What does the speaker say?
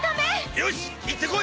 よし行ってこい！